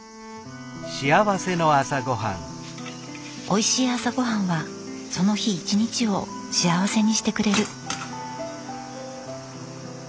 おいしい朝ごはんはその日一日を幸せにしてくれる。